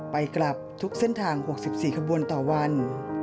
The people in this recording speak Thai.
ไปกลับทุกเส้นทาง๖๔ขบวนต่อวัน